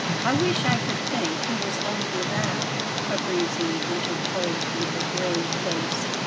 "I wish I could think he was only that," Fabrizi interposed, with a grave face.